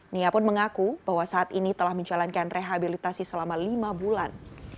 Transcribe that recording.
nia pun mengaku bahwa saat ini telah menjalankan rehabilitasi selama lima bulan